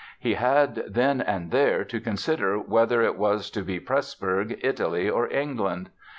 He had, then and there, to consider whether it was to be Pressburg, Italy or England.